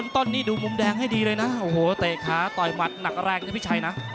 ต้นนี่ดูมุมแดงให้ดีเลยนะโอ้โหเตะขาต่อยหมัดหนักแรงนะพี่ชัยนะ